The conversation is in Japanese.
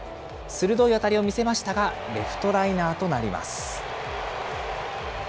鋭い当たりを見せましたが、レフトライナーとなります。